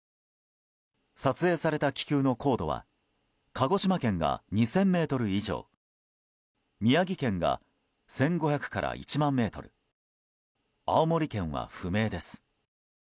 撮影された気球の高度は鹿児島県が２０００ｍ以上宮城県が１５００から１万ｍ青森県は不明です。